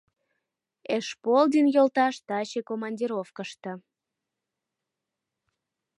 — Эшполдин йолташ таче командировкышто.